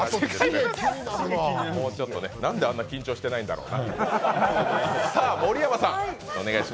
なんであんな緊張してへんのやろう。